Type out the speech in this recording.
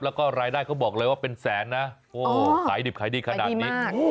แล้วก็รายได้เขาบอกเลยว่าเป็นแสนนะโอ้ขายดิบขายดีขนาดนี้